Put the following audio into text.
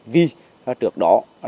vì trước đó